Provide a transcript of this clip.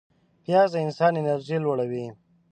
پیاز د انسان انرژي لوړوي